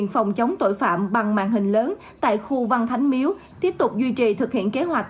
phòng chống tội phạm bằng màn hình lớn tại khu văn thánh miếu tiếp tục duy trì thực hiện kế hoạch